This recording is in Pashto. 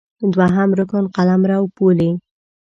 دوهم رکن قلمرو ، پولې